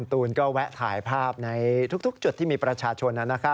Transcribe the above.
ตูนก็แวะถ่ายภาพในทุกจุดที่มีประชาชน